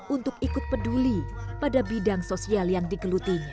untuk ikut peduli pada bidang sosial yang digelutinya